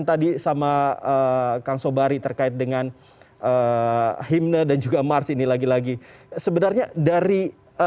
tadi sama kang sobari terkait dengan himne dan juga mars ini lagi lagi sebenarnya dari